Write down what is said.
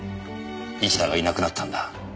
市田がいなくなったんだ。